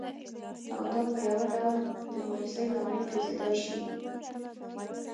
او دا په یوه ډول د مایوسۍ لامل ګرځېدای شي